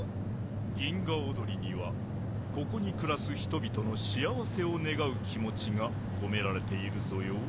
銀河おどりにはここにくらす人々のしあわせをねがうきもちがこめられているぞよ。